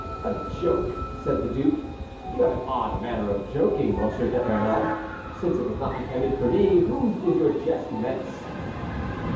"A joke!" said the duke; "you have an odd manner of joking, M. d'Epernon. Since it was not intended for me, whom did your jest menace?"